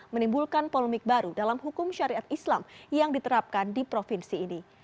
menimbulkan polemik baru dalam hukum syariat islam yang diterapkan di provinsi ini